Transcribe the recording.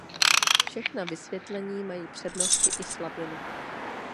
Všechna vysvětlení mají přednosti i slabiny.